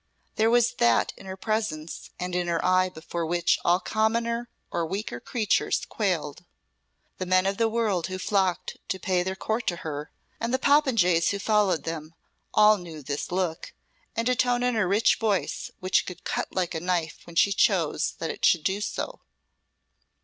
There was that in her presence and in her eye before which all commoner or weaker creatures quailed. The men of the world who flocked to pay their court to her, and the popinjays who followed them, all knew this look, and a tone in her rich voice which could cut like a knife when she chose that it should do so.